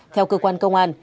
theo cơ quan công an